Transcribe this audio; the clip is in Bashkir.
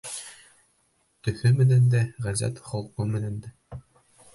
Төҫө менән дә, ғәҙәт-холҡо менән дә.